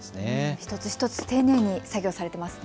一つ一つ丁寧に作業されていますね。